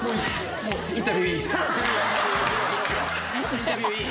インタビューいい。